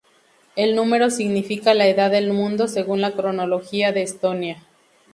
El número significa la edad del mundo según la cronología de Estonia.